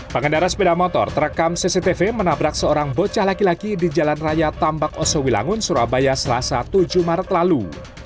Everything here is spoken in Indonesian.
pengendara sepeda motor terekam cctv menabrak seorang bocah laki laki di jalan raya tambak osowi langun surabaya selasa tujuh maret lalu